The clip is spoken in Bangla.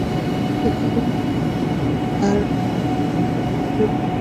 এখানে থাকো আর ওর উপর নজর রাখো।